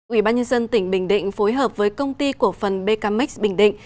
ủy ban nhân dân tỉnh bình định phối hợp với công ty cổ phần bkmex bình định